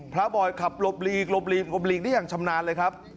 บอยขับหลบหลีกหลบหลีกหลบหลีกได้อย่างชำนาญเลยครับ